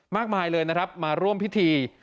มากมายเลยนะครับมาร่วมพิธี